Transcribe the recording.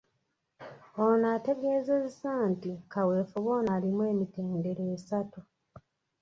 Ono ategeezezza nti kaweefube ono alimu emitendera esatu.